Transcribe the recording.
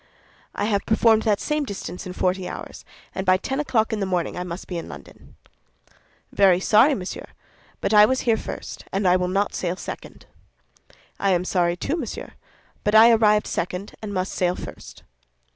"I have performed that same distance in forty hours, and by ten o'clock in the morning I must be in London." "Very sorry, monsieur; but I was here first, and will not sail second." "I am sorry, too, monsieur; but I arrived second, and must sail first."